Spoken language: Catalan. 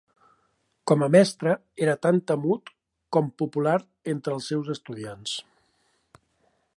Com a mestre era tant temut com popular entre els seus estudiants.